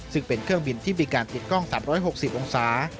ซึ่งเป็นเครื่องบินที่มีการติดกล้อง๓๖๐องศา